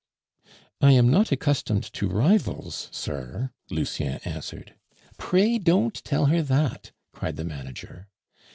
"I am not accustomed to rivals, sir," Lucien answered. "Pray don't tell her that!" cried the manager.